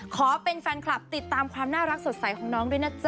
ขอเป็นแฟนคลับติดตามความน่ารักสดใสของน้องด้วยนะจ๊